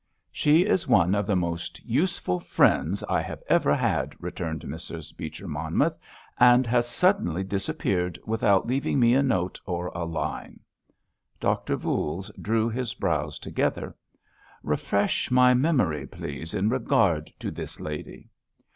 "She is one of the most useful friends I have ever had," returned Mrs. Beecher Monmouth, "and has suddenly disappeared without leaving me a note or a line." Doctor Voules drew his brows together. "Refresh my memory, please, in regard to this lady."